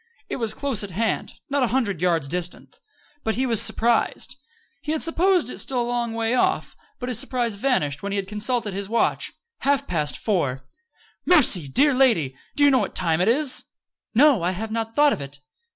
It was close at hand not a hundred yards distant. He was surprised. He had supposed it still a long way off. But his surprise vanished when he had consulted his watch half past four! "Mercy! Dear lady! Do you know what time it is?" "No. I have not thought of it."